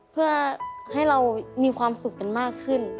เพื่อให้เรามีความสุขกันมากขึ้น